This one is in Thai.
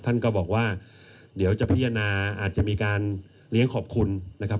ท่านก็บอกว่าเดี๋ยวจะพิจารณาอาจจะมีการเลี้ยงขอบคุณนะครับ